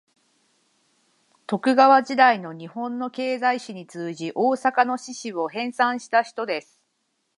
徳川時代の日本の経済史に通じ、大阪の市史を編纂した人です